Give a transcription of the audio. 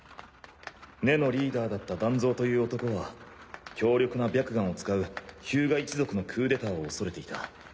根のリーダーだったダンゾウという男は強力な白眼を使う日向一族のクーデターを恐れていた。